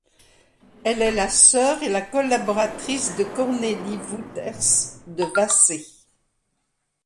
Elle est la sœur et la collaboratrice de Cornélie Wouters de Vassé.